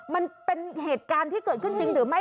มันเป็นเหตุการณ์ที่เกิดขึ้นจริงหรือไม่